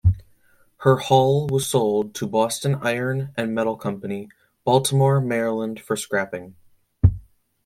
Her hull was sold to Boston Iron and Metal Company, Baltimore, Maryland, for scrapping.